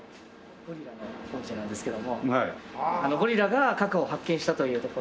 ゴリラのオブジェなんですけどもゴリラがカカオを発見したというところで。